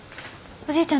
おじいちゃん？